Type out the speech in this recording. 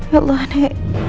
ya allah nek